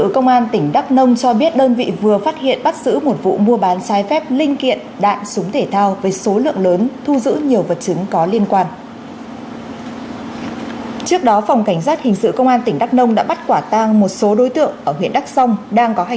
các bạn hãy đăng ký kênh để ủng hộ kênh của chúng mình nhé